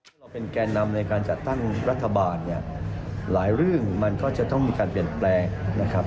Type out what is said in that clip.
เราเป็นแก่นำในการจัดตั้งรัฐบาลเนี่ยหลายเรื่องมันก็จะต้องมีการเปลี่ยนแปลงนะครับ